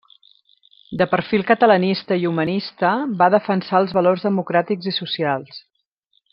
De perfil catalanista i humanista, va defensar els valors democràtics i socials.